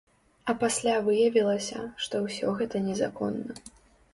А пасля выявілася, што ўсё гэта незаконна.